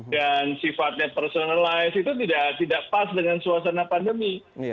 dan sifatnya personalize itu tidak pas dengan suasana pandemi